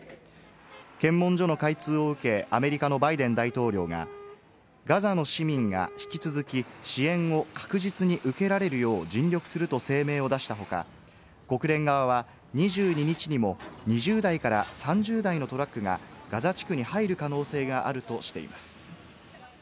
検問所の開通を受け、アメリカのバイデン大統領がガザの市民が引き続き支援を確実に受けられるよう尽力すると声明を出した他、国連側は２２日にも２０台から３０台のトラックがガザ地区に入る可能性があるとしています。